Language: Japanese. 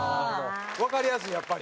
わかりやすいやっぱり。